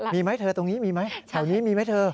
มีไหมเธอตรงนี้มีไหมแถวนี้มีไหมเธอ